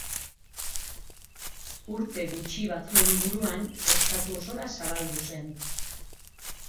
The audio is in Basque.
Urte gutxi batzuen buruan, estatu osora zabaldu zen.